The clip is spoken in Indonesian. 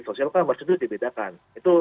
sosial commerce itu dibedakan itu